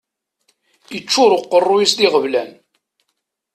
Iččuṛ uqeṛṛuy-is d iɣeblan.